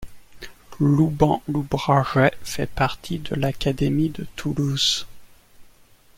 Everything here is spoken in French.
Loubens-Lauragais fait partie de l'académie de Toulouse.